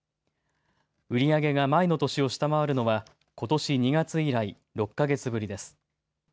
売り上げが前の年を下回るのは、ことし２月以来、６か月ぶりです。